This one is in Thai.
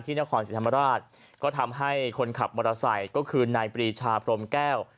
นครศรีธรรมราชก็ทำให้คนขับมอเตอร์ไซค์ก็คือนายปรีชาพรมแก้ว